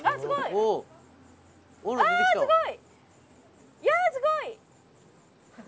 すごい！